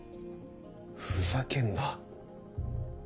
ふざけんな。